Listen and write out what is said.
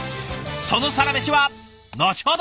そのサラメシは後ほど。